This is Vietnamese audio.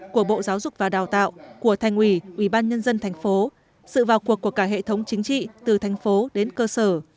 của bộ giáo dục và đào tạo của thành ủy ubnd tp sự vào cuộc của cả hệ thống chính trị từ tp đến cơ sở